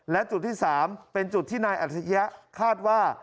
และจุดที่๓เป็นจุดที่นายอัศยะคาดว่า